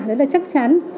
đấy là chắc chắn